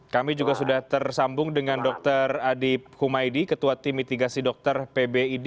kami juga sudah tersambung dengan dr adib humaydi ketua tim mitigasi dokter pbid